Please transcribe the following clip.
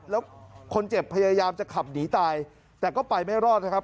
แล้วคนเจ็บพยายามจะขับหนีตายแต่ก็ไปไม่รอดนะครับ